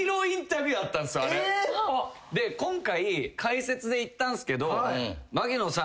今回解説で行ったんすけど槙野さん